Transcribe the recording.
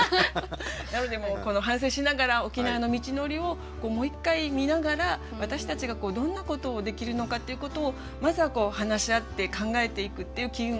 なので反省しながら沖縄の道のりをもう一回見ながら私たちがどんなことをできるのかっていうことをまずは話し合って考えていくっていう機運が高まっていけるといいなと思いますね。